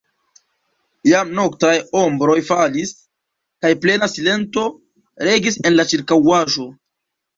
Jam noktaj ombroj falis, kaj plena silento regis en la ĉirkaŭaĵo.